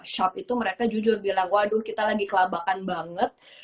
shop itu mereka jujur bilang waduh kita lagi kelabakan banget